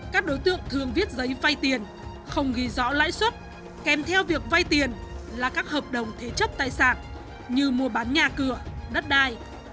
các đối tượng thường viết giấy vay tiền không ghi rõ lãi suất kèm theo việc vay tiền là các hợp đồng thế chấp tài sản như mua bán nhà cửa đất đai